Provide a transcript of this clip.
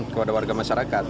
kepada warga masyarakat